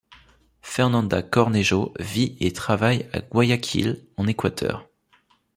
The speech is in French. Fernanda Cornejo vit et travaille à Guayaquil, en Équateur.